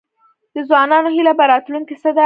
د ځوانانو هیله په راتلونکي څه ده؟